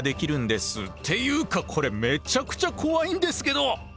っていうかこれめちゃくちゃ怖いんですけど！